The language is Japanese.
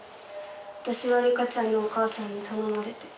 「私は梨花ちゃんのお母さんに頼まれて」